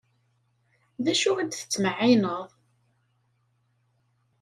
D acu i d-tettmeɛɛineḍ?